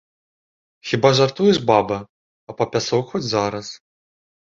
Хіба жартуеш баба, а па пясок хоць зараз.